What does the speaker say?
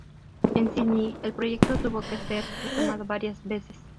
En Sídney el proyecto tuvo que ser retomado varías veces.